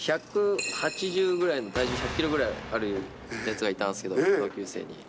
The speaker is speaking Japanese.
１８０ぐらいの体重１００キロぐらいあるやつがいたんですけど、同級生に。